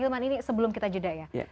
hilman ini sebelum kita jeda ya